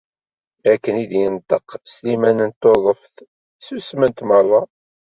Akken i d-yenṭeq Sliman n Tuḍeft, ssusment merra.